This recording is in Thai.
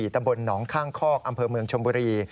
ตำบลหนองข้างคอกอำเภอเมืองชมบุรี